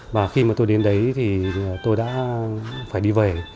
và khi mà tôi đến đấy thì tôi đã phải đi về